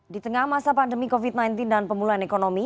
di tengah masa pandemi covid sembilan belas dan pemulihan ekonomi